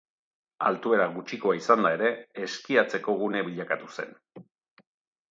Altuera gutxikoa izanda ere, eskiatzeko gune bilakatu zen.